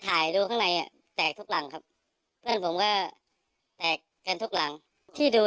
ถ่ายดูข้างในอ่ะแตกทุกหลังครับเพื่อนผมก็แตกกันทุกหลังที่ดู